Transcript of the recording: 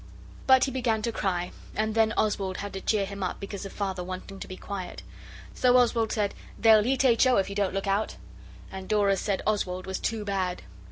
But he began to cry, and then Oswald had to cheer him up because of Father wanting to be quiet. So Oswald said 'They'll eat H. O. if you don't look out!' And Dora said Oswald was too bad.